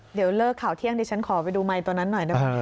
เดี๋ยวเลิกข่าวเที่ยงดิฉันขอไปดูไมค์ตัวนั้นหน่อยได้ไหม